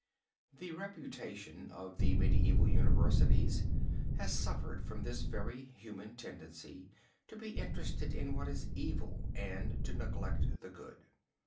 The reputation of the medieval universities has suffered from this very human tendency to be interested in what is evil and to neglect the good.